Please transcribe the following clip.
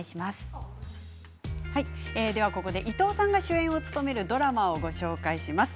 ここで伊藤さんが主演を務めるドラマをご紹介します。